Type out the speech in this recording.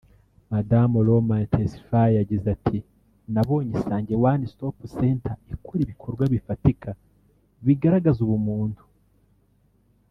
Madamu Roman Tesfaye yagize ati “ Nabonye Isange One Stop Center ikora ibikorwa bifatika bigaragaza ubumuntu